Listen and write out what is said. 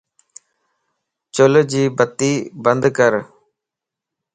چل جي بتي بندڪر